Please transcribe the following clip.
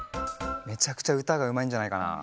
めちゃくちゃうたがうまいんじゃないかなあ。